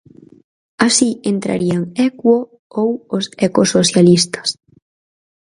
Así entrarían Equo ou os Ecosocialistas.